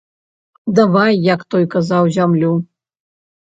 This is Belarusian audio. Давай, як той казаў, зямлю.